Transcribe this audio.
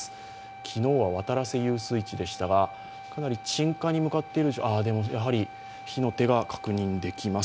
昨日は渡良瀬遊水地でしたが、かなり鎮火に向かっているやはり火の手が確認できます。